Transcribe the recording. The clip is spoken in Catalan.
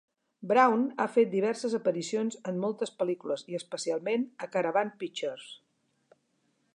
Brown ha fet diverses aparicions en moltes pel·lícules i especialment a Caravan Pictures.